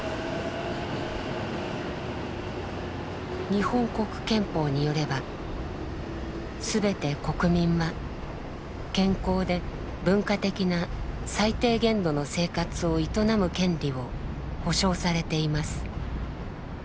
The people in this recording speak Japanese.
日本国憲法によればすべて国民は健康で文化的な最低限度の生活を営む権利を保障されています。